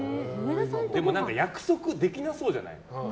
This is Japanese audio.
約束できなそうじゃない？